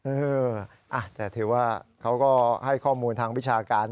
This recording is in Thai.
เออแต่ถือว่าเขาก็ให้ข้อมูลทางวิชาการ